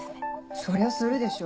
そりゃするでしょ